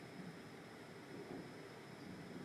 她六十岁时